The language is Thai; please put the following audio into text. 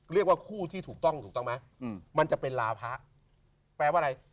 เรียกว่าคู่ที่ถูกต้องถูกต้องไหมมันจะเป็นลาพะแปลว่าอะไร